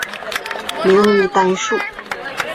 明于丹术。